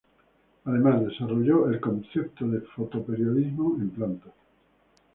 Además, desarrolló el concepto de fotoperiodismo en plantas.